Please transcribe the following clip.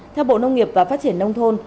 theo bộ nông nghiệp và phát triển nông thôn